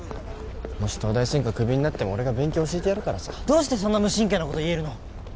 もし東大専科クビになっても俺が勉強教えてやるからさどうしてそんな無神経なこと言えるの？